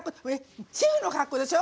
シェフの格好でしょ？